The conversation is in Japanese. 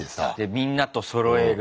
みんなとそろえる。